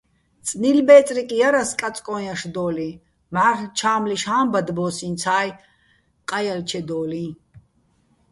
წნილბე́წრიკ ჲარასო̆ კაწკოჼ ჲაშდო́ლიჼ, მჵა́რლ ჩა́მლიშ ჰა́მბადბო́ს ინცა́ჲ, ყაჲალჩედო́ლიჼ.